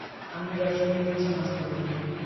আমি যার সাথে ইচ্ছে নাচতে পারি।